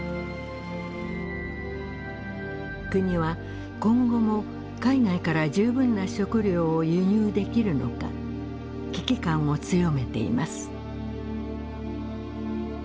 国は今後も海外から十分な食料を輸入できるのか危機感を強めています。